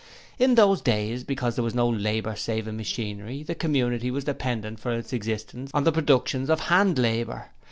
In those days, because there was no labour saving machinery the community was dependent for its existence on the productions of hand labour.